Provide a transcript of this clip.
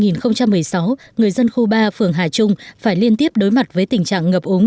năm hai nghìn một mươi sáu người dân khu ba phường hà trung phải liên tiếp đối mặt với tình trạng ngập úng